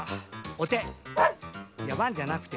お手！